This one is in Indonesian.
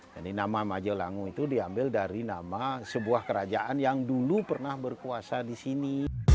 nama majelangu itu diambil dari nama sebuah kerajaan yang dulu pernah berkuasa di sini